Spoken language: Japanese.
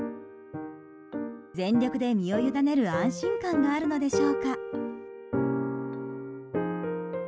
全力で身を委ねる安心感があるのでしょうか。